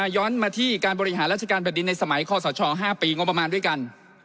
ย้อนมาที่การบริหารราชการแผ่นดินในสมัยคอสช๕ปีงบประมาณด้วยกัน